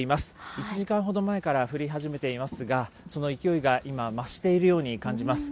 １時間ほど前から降り始めていますが、その勢いが今、増しているように感じます。